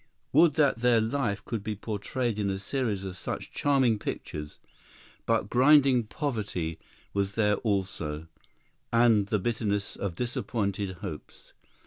Would that their life could be portrayed in a series of such charming pictures! but grinding poverty was there also, and the bitterness of disappointed hopes.